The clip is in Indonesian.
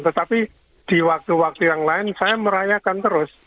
tetapi di waktu waktu yang lain saya merayakan terus